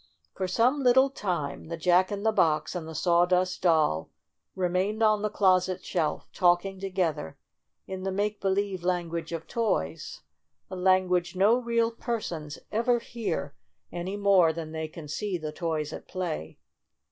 For some little time the Jack in the Box and the Sawdust Doll remained on the closet shelf, talking together in the make believe language of toys — a language no real persons ever hear, any more than they can see the toys at play.